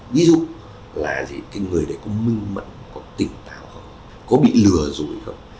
ví dụ là cái người đấy có minh mận có tỉnh tạo không có bị lừa rồi không